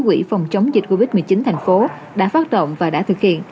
quỹ phòng chống dịch covid một mươi chín thành phố đã phát động và đã thực hiện